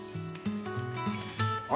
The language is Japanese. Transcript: あ！